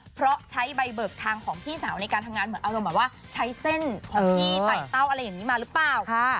เพราะใช้ใบเบิกทางของพี่สาวในการทำงานเหมือนอารมณ์แบบว่าใช้เส้นของพี่ไต่เต้าอะไรอย่างนี้มาหรือเปล่า